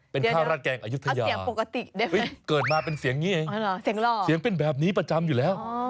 เป็นข้าวราดแกงอายุทยาเกิดมาเป็นเสียงนี้เองเสียงเป็นแบบนี้ประจำอยู่แล้ว